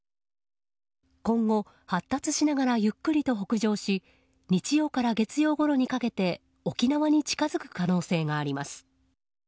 今後、発達しながらゆっくりと北上し日曜から月曜ごろにかけて沖縄に近づく可能性があります。